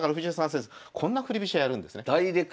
こんな振り飛車やるんですね。